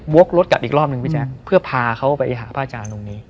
รถกลับอีกรอบหนึ่งพี่แจ๊คเพื่อพาเขาไปหาพระอาจารย์ตรงนี้